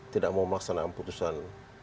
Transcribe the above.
tidak mau melaksanakan putusan